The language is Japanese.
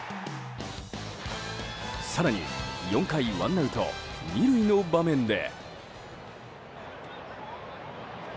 更に、４回ワンアウト、２塁の場面で。